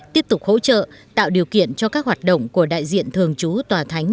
tiếp tục hỗ trợ tạo điều kiện cho các hoạt động của đại diện thường trú tòa thánh